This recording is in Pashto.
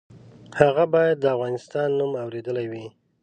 هغه باید د افغانستان نوم اورېدلی وي.